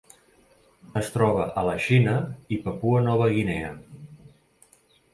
Es troba a la Xina i Papua Nova Guinea.